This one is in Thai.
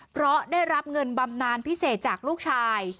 เพราะได้รับเงินบำนานพิเศษจากลูกชาย